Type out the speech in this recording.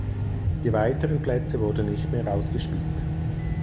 Die weiteren Plätze wurden nicht mehr ausgespielt.